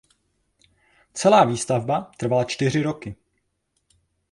Celá výstavba trvala čtyři roky.